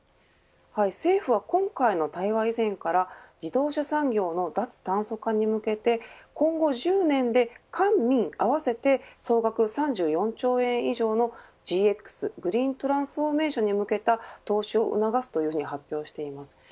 政府は今回の対話以前から自動車産業の脱炭素化に向けて今後１０年で官民合わせて総額３４兆円以上のＧＸグリーントランスフォーメーションに向けた投資を促すと発表しています。